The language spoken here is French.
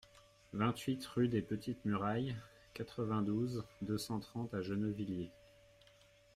vingt-huit rue des Petites Murailles, quatre-vingt-douze, deux cent trente à Gennevilliers